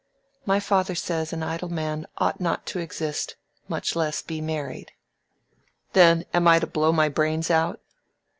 My father says an idle man ought not to exist, much less, be married." "Then I am to blow my brains out?"